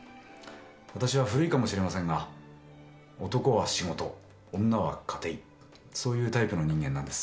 わたしは古いかもしれませんが男は仕事女は家庭そういうタイプの人間なんです。